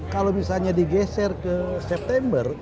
kalau misalnya digeser ke september